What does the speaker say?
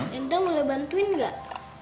lintang boleh bantuin nggak